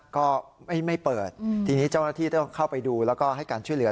ก็ไม่เปิดทีนี้เจ้าหน้าที่ต้องเข้าไปดูแล้วก็ให้การช่วยเหลือ